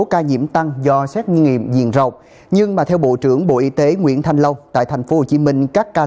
cảm ơn các bạn đã theo dõi và đăng ký kênh của chúng mình